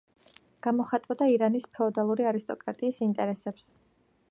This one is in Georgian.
გამოხატავდა ირანის ფეოდალური არისტოკრატიის ინტერესებს.